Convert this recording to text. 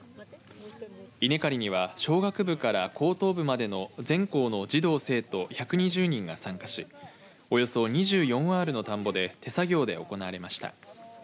稲刈りには小学部から高等部までの全校の児童、生徒１２０人が参加しおよそ２４アールの田んぼで手作業で行われました。